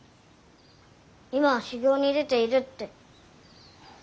今は修行に出ているって。